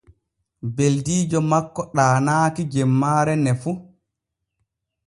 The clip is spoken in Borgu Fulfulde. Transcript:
Beldiijo makko ɗaanaaki jemmaare ne fu.